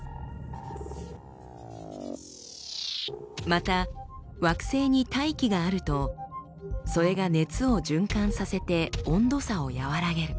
また惑星に大気があるとそれが熱を循環させて温度差を和らげる。